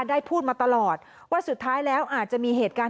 พูดมาตลอดว่าสุดท้ายแล้วอาจจะมีเหตุการณ์